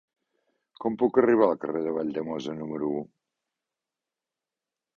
Com puc arribar al carrer de Valldemossa número u?